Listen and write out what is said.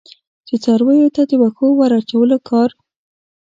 چې څارویو ته د وښو د ور اچولو کار.